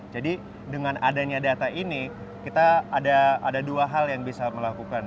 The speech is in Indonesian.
jadi dengan adanya data ini kita ada dua hal yang bisa melakukan